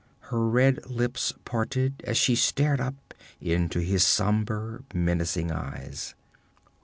Her red lips parted as she stared up into his somber menacing eyes.